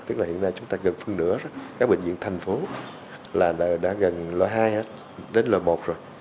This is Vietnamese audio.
tức là hiện nay chúng ta gần phương nửa các bệnh viện thành phố là đã gần loại hai đến lớp một rồi